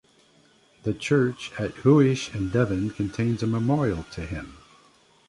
The church at Huish in Devon contains a memorial to him.